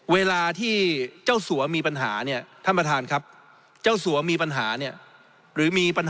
เวลาที่เจ้าสัวมีปัญหานี่